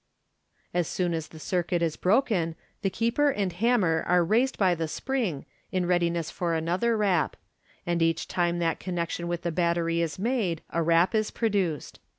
As soon as the circuit is broken, the keeper and hammer are raised by the spring, in readiness for an ether rap ; and each time that connection with the battery is made, a rap is produced.